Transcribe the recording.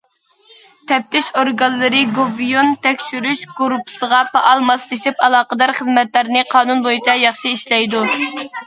تەپتىش ئورگانلىرى گوۋۇيۈەن تەكشۈرۈش گۇرۇپپىسىغا پائال ماسلىشىپ، ئالاقىدار خىزمەتلەرنى قانۇن بويىچە ياخشى ئىشلەيدۇ.